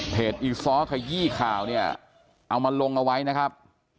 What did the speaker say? อีซ้อขยี้ข่าวเนี่ยเอามาลงเอาไว้นะครับ